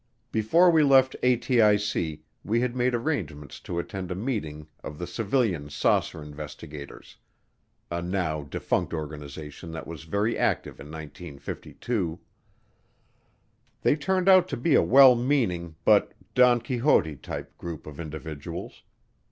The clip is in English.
Before we left ATIC we had made arrangements to attend a meeting of the Civilian Saucer Investigators, a now defunct organization that was very active in 1952. They turned out to be a well meaning but Don Quixote type group of individuals.